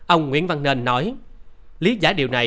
ông nguyễn văn nền nói